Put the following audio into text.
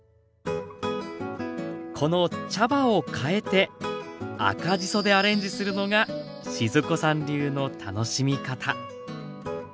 この茶葉を変えて赤じそでアレンジするのが静子さん流の楽しみ方。